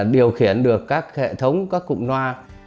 điều khiển được các hệ thống các cụm loa